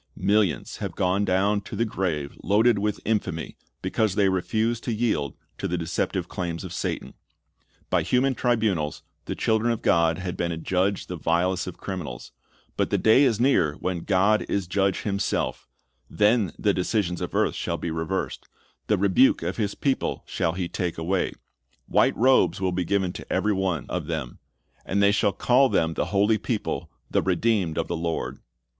Millions have gone down to the grave loaded with infamy because they refused to yield to the deceptive claims of Satan. By human tribunals the children of God have been adjudged the vilest of criminals. But the day is near when "God is judge Himself"^ Then the decisions iRev. 18:5, 6 2Dan. i2;i sPs. 50:6 i8o C h r i s t 's Object Lessons of earth shall be reversed. "The rebuke of His people shall He take away." White robes will be given to every one of them. And "they shall call them the holy people, the redeemed of the Lord."